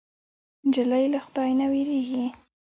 نجلۍ له خدای نه وېرېږي.